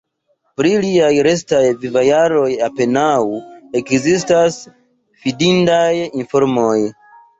Pri liaj restaj vivojaroj apenaŭ ekzistas fidindaj informoj.